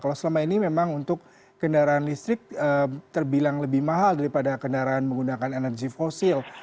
kalau selama ini memang untuk kendaraan listrik terbilang lebih mahal daripada kendaraan menggunakan energi fosil